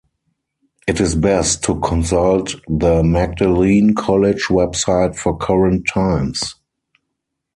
It is best to consult the Magdalene College website for current times.